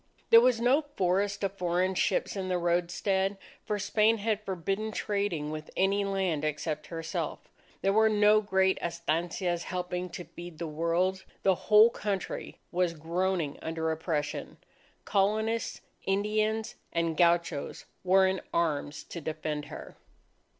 There was no forest of foreign ships in the roadstead; for Spain had forbidden trading with any land except herself. There were no great estancias helping to feed the world. The whole country was groaning under oppression. Colonists, Indians, and gauchos, were in arms to defend her.